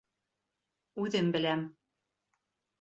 Үҙем беләм.